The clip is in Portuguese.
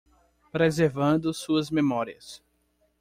Preservando suas memórias